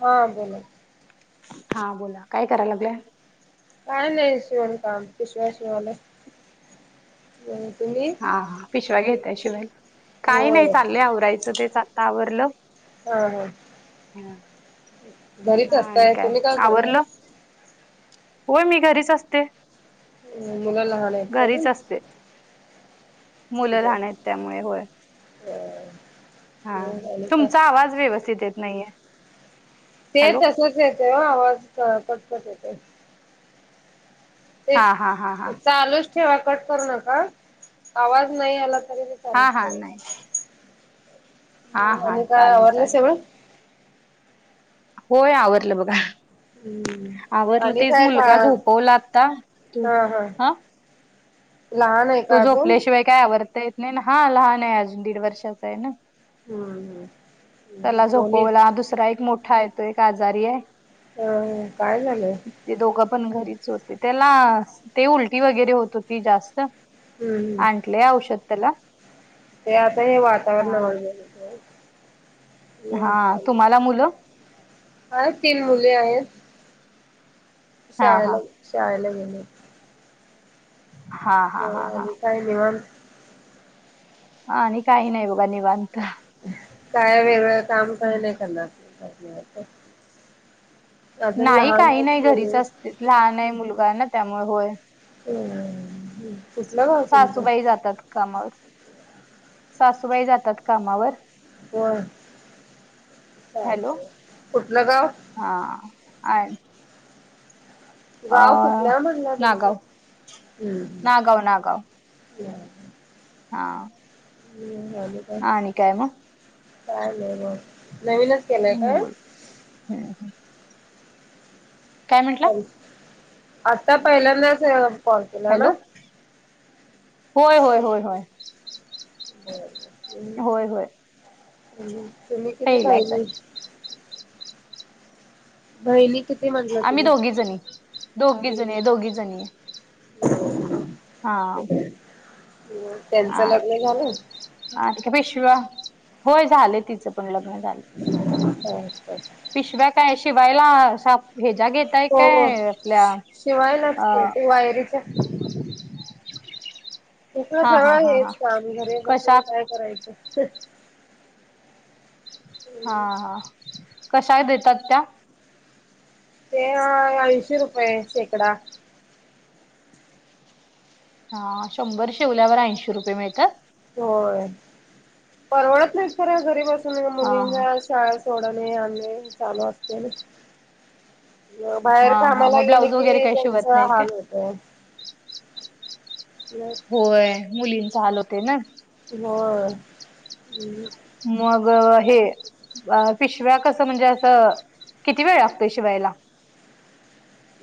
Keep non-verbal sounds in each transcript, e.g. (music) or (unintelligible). हा बोला. हा बोला काय करायला लागल्या? काय नाही शिवण काम पिशव्या शिवाल्या. तुम्ही? हा पिशव्या घेतय आहे शिवायला काही नाही होय. चाललंय आवरायचं तेच आता आवरलं हा हा हा. घरीच आणि असताय, काय तुम्ही का करताये? आवरलं होय मी घरीच असते. हम्म, मुलेला लहाण आहेत का घरीच अजून? असते मुलं लहान आहेत त्यामुळे होय. बर. हा तुमचा आवाज व्यवस्थित येत नाहीये. ते हॅलो तसच येतेय आवाज कटकट येतेय. ते हा हा हा हा चालूच ठेवा कट कर नका आवाज नाही आला तरी हा चालूच हा ठेवा नाही. हा हा आणि काय चालेल आवरल चालेल सगळ? होय आवडलं बघा. हम्म आवडलं आणि तेच काय का मुलगा झोपवला आता तू हा लान आहे. तो का अजून? झोपल्याशिवाय काय आवडता येत नाही ना हा लहान आहे अजून दीड वर्षाचा आहे ना‌ हम्म हम् त्याला दोन्ही झोपवला हा दुसरा एक मोठा आहे तो एक आजारी आहे. अ काय झालंय? ते दोघं पण घरीच होते त्याला ते उलटी वगैरे होत होती जास्त हम्म हम. क औषध त्याला ते आता हे वातावरण हा आवडलेलं. हा तुम्हाला मुलं हा तीन मुले आहेत. हा हा शाला शालागणे हा हा हो हा हा आणि काही नाही मान हा नाही काही नाही बघा निवांत. काय वेगळ काम काही नाही करणार. अजून नाही लहान काही आहेत नाही मुले घरीच असते लहान आहे मुलगा ना त्यामुळे होय. ह. सासूबाई जातात कामावर सासूबाई जातात कामावर हो चा हॅलो कुठलं गाव हा आ गाव कुठल्या म्हणला तुमच नागाव हम् नागाव नागाव हा ह झाल. ह न कायम. काय नाही मग नवीनच केलंय का? बोल हम्म काय म्हंटला? आता पहिल्यांदाच पचला ना. हॅलो. होय होय होय होय होय होय तुम्ही किती पहिलाच पाहिली? आहे बहिन. आम्ही दोघी जणी दोघी जण आहे दोघी जणी आहे. हा त्यांचं लग्न झालं. ह त पिशवा होय झालंय तिचं पण लग्न झालं. हा. पिशव्या काय शिवायला? भेजा घेताय हो हो काय आपल्या शिवायलाच अ ते ते वायरीच्या तुसं हा हा सगळं हा हा हेच काम घरी कशा बसून काय? करायचं. हा हा. कशा देतात त्या? ते ऐंशी रुपये शेकडा. हा शंभर शेवल्यावर ऐंशी रुपये मिळतात. होय परवडत नाहीत ख घरी बसून हा मुलीं शाळा सोडणे आणणे चालू असते. म बाहेर हा हा कामाला मग गेणे ब्लाऊज वगैरे की काही त्यांच शिवत नाही काय? हाल होत. हो म होय. मुलींच हाल होते, ना. होय. (unintelligible) मग, हे अ, पिशव्या कसं म्हणजे असं, किती वेळ लागतोय शिवायला?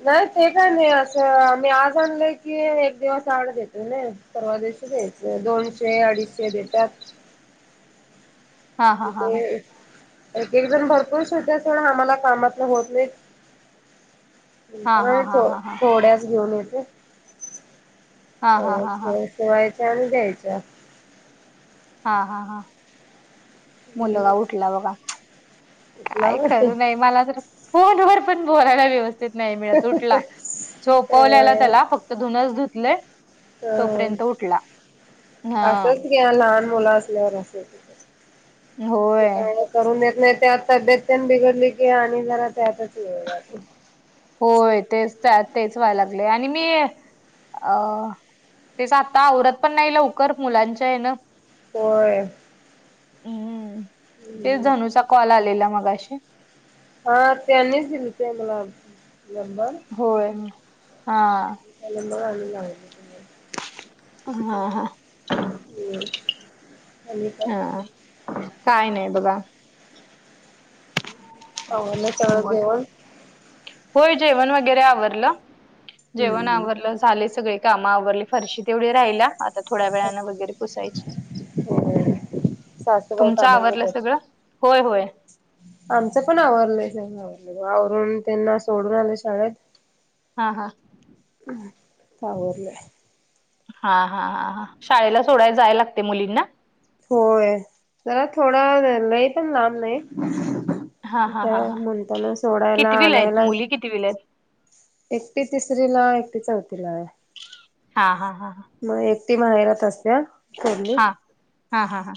नाही ते काय नाही असं. मी आज आणलं की, एक दिवस आड देतोय न. परवादिवशी द्यायचे. दोनशे-अडीचशे देतात. हा हा हा ते हा. एक. ते एक जण भरपूर शिवत्यात सोडा. आम्हाला कामातनं होत नाहीत. (inaudible) नाहीत हा होत. हा हा. थोड्याच घेऊन येते. हा हा हा हा. तेवढ्याच शिवायच्या. आणि द्यायच्या. हा, हा, हा. मुलगा उठला बघा. कुठला काय खरं नाही. मला तर फोनवर पण बोलायला, व्यवस्थित नाही मिळत. ऊटला झोपवल्याला तर त्याला. फक् धूनच धुतलेय हम. हा. सच घ्या. लहान मुलं असल्यावर, असच होत असतय. ते होय. काय करून देत नाही. त्यात तब्येत त्यान बिघडली की, आणि जरा त्यातच वेळ जातय. होय. तेच त्या तेच व्हायला लागलय आणि मी अ. तेच आता आवरत पण नाही, लवकर. मुलांच्या हेन. होय. तेच धनूचा, कॉल आलेला मगाशी. हा त्यांनीच दिलते मला, नंबर. होय. हा. (unintelligible) नंबर आणि लावल्या. हा, हा. हम्म आणि काय हा. काय नाही बघा. आवरलं सगळं, बोल जेवण. होय, जेवण वगैरे आवरलं. जेवण हम्म आवरलं झाले सगळे काम आवरली. फरशी तेवढी राहिल्या. आता थोड्या वेळानं, वगैरे पुसायची. होय सासूबाई तुमच, कामाला आवरलं जात्यात. सगळं. होय, होय. आमचं पण आवरलंय सगळं. आवरून, त्यांना सोडून आले शाळेत. हा, हा. ह. आवरलंय. हा, हा, हा, हा. शाळेला सोडायला जाय लागतय मुलींना. होय. जरा थोड. लय पण लांब नाही. हा हा त्या हा हा म्हणताना सोडायला, आणायला कितविलायत? एकटी तिसरीला, एकटी चौतीलाय. हा हा हा मग एकटी माहेरात असत्या. थोरली. हा, हा, हा.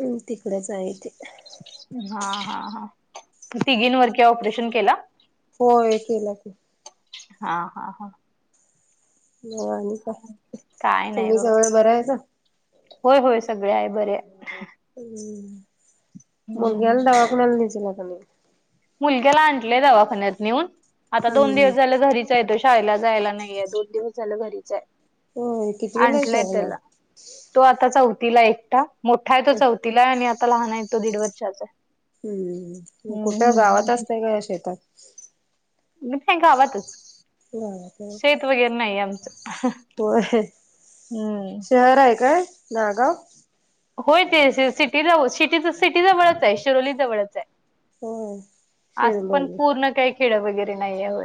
हम्, तिकडेच आहे ती. हा, हा, हा. तिघीनवर कि, ऑपरेशन केला? होय, केला की. हा, हा, हा. म आणि काय नाही तुम्ही बघा सगळं बरं आहेता. होय होय सगळे आहे बरे. ह् मुलगीला दवार कोणाला निस त्यांण मुलग्याला आणलंय दवाखान्यात नेऊन आता हम्म दोन दिवस हम्म. झालं घरी ेतो शाळेला जायला नाहीय दोन दिवस झालं घरीच आहे होय कितवीला आहे आणलंय शाळेला त्याला तो आता चौथीला एकटा मोठा आहे तो चौथीला आहे आणि आता लहान आहे तो दीड वर्षाचा आहे. हम् कुठे हम्म गावात असतय का या शेतात. मी नाही गावातच ह का. शेत वगैरे नाही आमचं होय हम्म शहर आहे काय नागाव होय ते सिटीऊ स सिटीजवळच आहे शिरोली जवळच आहे. होय असं पण शिरलोली पूर्ण काही खेड वगैरे नाही आहेव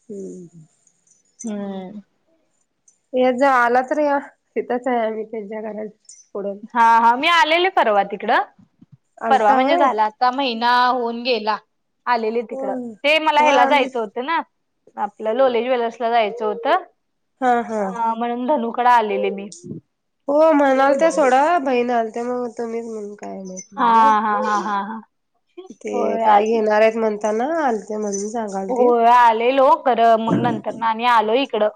हम् हम्. या ज आला तर या तिथंच आहे आम्ही त्याच्या घर पुढे हा हा मी आलेले परवा तिकड परवा आलता म्हणजे होय झाला. ता महिना होऊन गेला आलेले तिकडं होय ते मला होय ह्याला आम्ही जायचं होतं ना. आपलं लोहे ज्वेलर्सला जायचं होतं हा हा अ म्हणून धनुकड आलेले मी हो म्हणाल त्या सोडा बहीण आलत मग तुम्हीच म्हण काय माहित हा नाही मला हा हा हा हा ते होय काय आले घेणार आहेत म्हणताना आ मण मी सांग हो आलेलो खरं मग नंतर ना आणि आलो इकडं.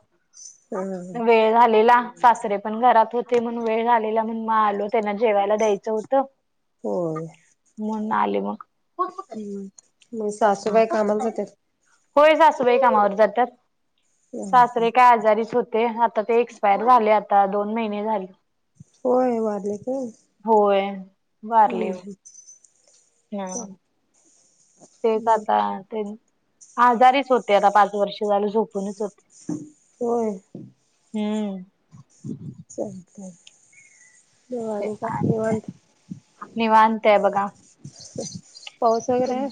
ह वेळ झालेला सासरे पण घरात होते म्हण वेळ झालेला म्हण मा आलो त्यांना जेवायला द्यायचं होतं. हो. मण नाले मग सासूबाई कामा जात होय सासूबाई कामावर जातात सासरे का आजारीच होते. ते आता ते एक्सपायर झाले आता दोन महिने झाले. होय बारले का? होय वारलेवर हा. तेच आता आजारीच होते आता पाच वर्ष झालं झोपूनच होते. होय. हम्म लत भवाण का शवंत निवांतय बघा पाऊस तु. वगैरे आहे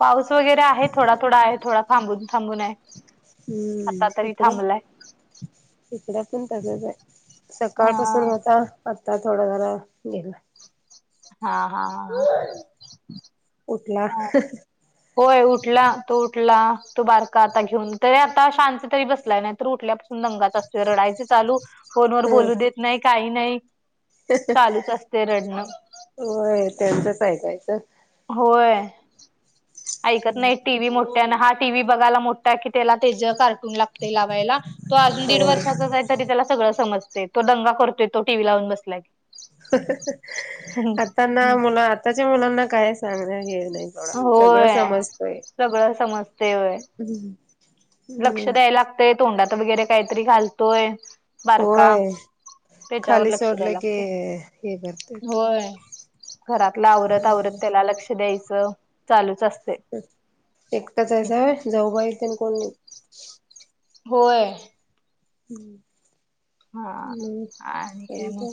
पाऊस वगैरे आहे थोडा थोडा आहे थोडा थांबून थांबून आहे हम्म आता तरी इकड थांबलाय. इकड पण तग हा सकाळपासून होता. आता थोडा जरा गेलं. हा हा हा ह. उठला. होय उठला तो उठला तो बारका आता घेऊन तरी आता शांत तरी बसलाय नाही तर उठल्याून दंगाच असते रडायच चालू. फोनवरर हम्म बोलू देत नाही काही नाही चालूच असते रडणं. होय त्यांचचऐकायचं. होय. ऐकत नाही टीव्ही मोठ्या ना हा टीव्ही बघायला मोठा की त्याला तेच कार्टून लाग लावायला तो अजून दीड होय वर्षाचाच आहे. तरी त्याला सगळं समजतेय तो दंगा करतोय तो टीव्ही लावून बसला की. आताना मुलं आताच्या मुलांना काय सांगण्या हे नाही सोडा सगळं होय समजतय. सगळं समजते होय लक्ष हम्म द्यायला लागतंय तोंडात वगैरे काहीतरी घालतोय. बारका होय त्याच्यावर खाली लक्ष द्याय सोडलं की लागते. हे करते होय. घरातलं आवरत आवरत त्याला लक्ष द्यायचं चालूच असतय. एकटच आहेसा होय जाऊबाई तेन कोण नाही? होय. हम्म. हा आणि काय मग?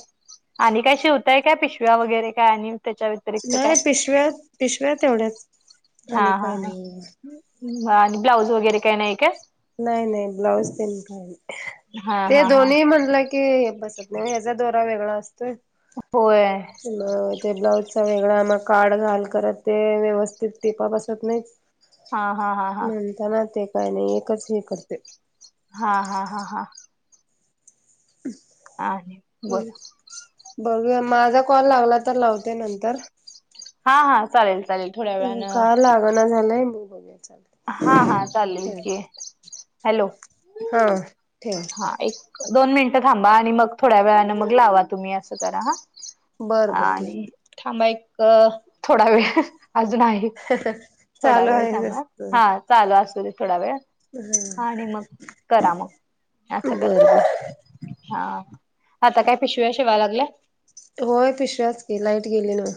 आणि काय शिवताय काय पिशव्या वगैरे काय आणि त्याच्या व्यतिरिक्त नाही काय पिशव्या- पिशव्या तेवढ्याच. हा आणि हा काय नाही. आणि ब्लाउज वगैरे काही नाही काय? नाही नाही ब्लाऊज तेन काय नाही हा ते हा हा दोन्ही म्हणलं हे बसत नाही याचा दोरा वेगळा असतोय. होय. मग ते ब्लाऊजचा वेगळा मग काड घाल करत ते व्यवस्थित टिपा बसत नाही. हा हा हा हा. त्यांना ते काय नाही एकच हे करते. हा हा हा हा. हमं. ह बोल. बघूया माझा कॉल लागला तर लावते नंतर. हा हा चालेल चालेल. थोड्या अ वेळानं का लागना झालंय मग बघाय चाल. हा हा चालेल कि हॅलो! हा ठेवा. हा एक दोन मिनटं थांबा आणि मग थोड्या वेळन मग लावा तुम्ही असं करा हा. बरं बरं ठीक आणि थांबा एक थोडा वेळ अजून आहे. थोडा चालू वेळ आहे थांबा तसं. हा. चालू असू दे थोडा वेळ आणि मग करा मग. असं बर करा बर हा आता काय पिशव्या शिवाय लागल्या. होय पिशव्याच की लाईट गेली ना.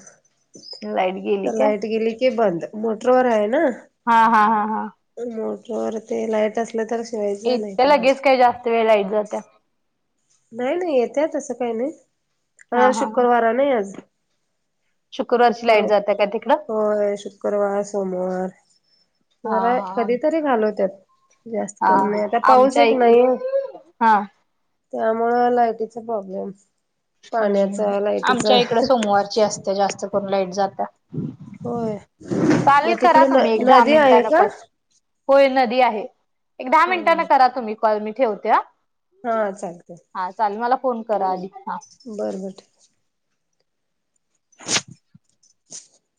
लाईट गेली तर काय लाईट गेली की बंद मोटरवर आहे ना. हा हा हा हा. मोटरवर ते लाईट असलं तर शिवायचं नाही तर नाही. किती वेळ लाईट जात्या? नाही नाही येतय तसं काही नाही आ हा हा हा शुक्रवारा नाही आज. शुक्रवारची शुक्र लाईट जाते का तिकडं होय शुक्रवार, सोमवार हा जरा हा. कधीतरी घालवत्यात जास्त काय हा नाही आता पाऊस एक नाहीे हां. त्यामुळ लायटीचा प्रॉब्लेम हम्म. पाण्याचा लायटीचा आमच्या इकड सोमवारची असते जास्त करून लाईट जात्या. होय मग चालेल करा तिकडे न तुम्ही एक दहा नदी आहे मिनिटान का? परत. होय नदी आहे. एक दहा हो मिनिटांन करा तुम्ही कॉल मी ठेवते हा. हा चागतय. हा चाले--मला फोन करा आधी हा. बरं बरं. (inaudible)